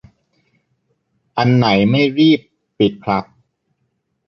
อันไหนไม่รีบ ปิด ครับ